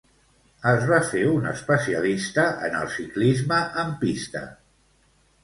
Es va fer un especialista en el ciclisme en pista.